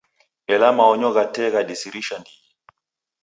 Ela maonyo gha tee ghadisirisha ndighi.